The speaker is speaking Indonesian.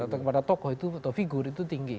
atau kepada tokoh itu atau figur itu tinggi